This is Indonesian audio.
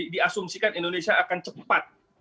diasumsikan indonesia akan cepat